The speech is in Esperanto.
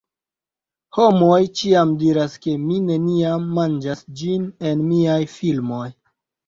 Homoj ĉiam diras, ke mi neniam manĝas ĝin en miaj filmoj